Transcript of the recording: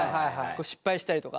失敗したりとか。